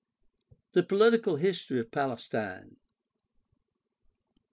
The political history of Palestine.